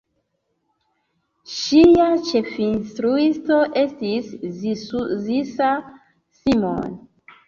Ŝia ĉefinstruisto estis Zsuzsa Simon.